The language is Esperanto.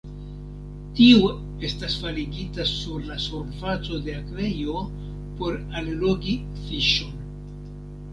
Tiu estas faligita sur la surfaco de akvejo por allogi fiŝon.